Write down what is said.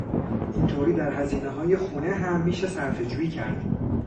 اینطوری در هزینههای خونه هم میشه صرفهجویی کرد.